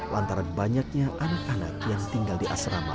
lantaran banyaknya anak anak yang tinggal di asrama